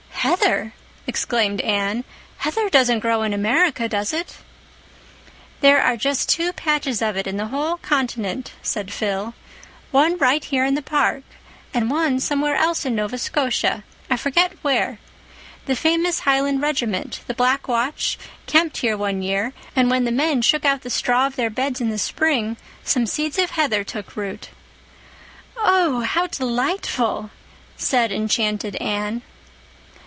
"Heather!" exclaimed Anne. "Heather doesn't grow in America, does it?" "There are just two patches of it in the whole continent," said Phil, "one right here in the park, and one somewhere else in Nova Scotia, I forget where. The famous Highland Regiment, the Black Watch, camped here one year, and, when the men shook out the straw of their beds in the spring, some seeds of heather took root." "Oh, how delightful!" said enchanted Anne.